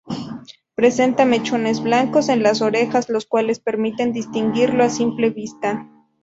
Presenta mechones blancos en las orejas, los cuales permiten distinguirlo a simple vista.